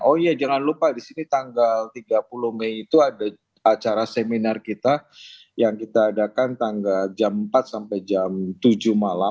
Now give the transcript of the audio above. oh iya jangan lupa di sini tanggal tiga puluh mei itu ada acara seminar kita yang kita adakan tanggal jam empat sampai jam tujuh malam